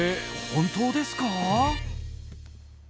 本当ですか？